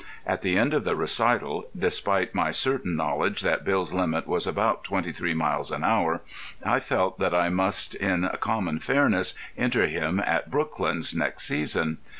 At the end of the recital, despite my certain knowledge that Bill's limit was about twenty three miles an hour, I felt that I must in common fairness enter him at Brooklands next season.